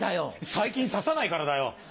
最近指さないからだよ。